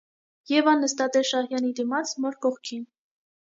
Եվան նստած էր Շահյանի դիմաց, մոր կողքին: